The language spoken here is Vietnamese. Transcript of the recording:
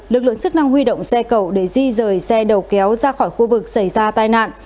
lực lượng chức năng huy động xe cầu để di rời xe đầu kéo ra khỏi khu vực xảy ra tai nạn